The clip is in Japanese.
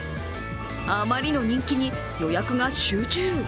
あまりの人気に予約が集中。